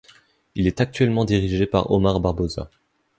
Il est actuellement dirigé par Omar Barboza.